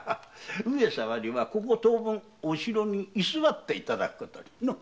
上様にはここ当分お城に居座っていただくことに。